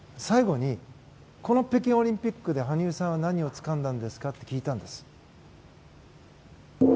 最後に、この北京オリンピックで羽生さんは何をつかんだんですかって聞いたんです。